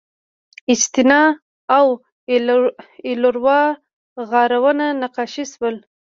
اجنتا او ایلورا غارونه نقاشي شول.